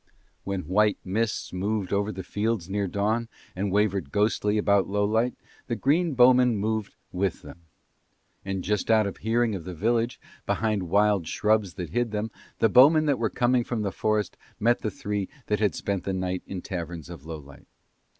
When white mists moved over the fields near dawn and wavered ghostly about Lowlight, the green bowman moved with them. And just out of hearing of the village, behind wild shrubs that hid them, the bowmen that were coming from the forest met the three that had spent the night in taverns of Lowlight.